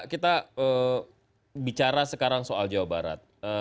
kita bicara sekarang soal jawa barat